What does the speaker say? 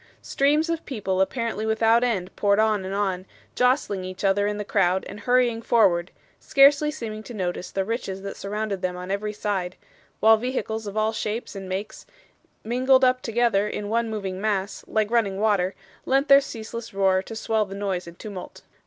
Streams of people apparently without end poured on and on, jostling each other in the crowd and hurrying forward, scarcely seeming to notice the riches that surrounded them on every side; while vehicles of all shapes and makes, mingled up together in one moving mass, like running water, lent their ceaseless roar to swell the noise and tumult.